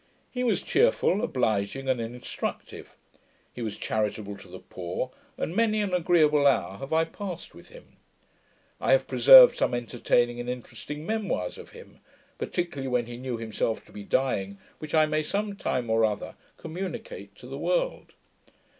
He was cheerful, obliging, and instructive; he was charitable to the poor; and many an agreeable hour have I passed with him: I have preserved some entertaining and interesting memoirs of him, particularly when he knew himself to be dying, which I may some time or other communicate to the world.